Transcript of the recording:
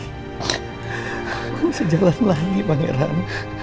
kamu bisa jalan lagi mangeran